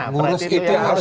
ngurus itu harus